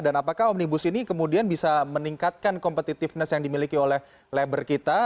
dan apakah omnibus ini kemudian bisa meningkatkan kompetitifnya yang dimiliki oleh labor kita